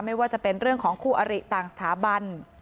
ไม่ว่าจะเป็นเรื่องของคู่อริต่างสถาบัน